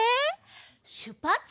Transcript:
しゅっぱつ。